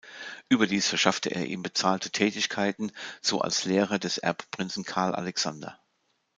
Überdies verschaffte er ihm bezahlte Tätigkeiten, so als Lehrer des Erbprinzen Carl Alexander.